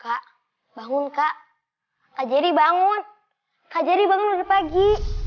kak bangun kak kak jerry bangun kak jerry bangun udah pagi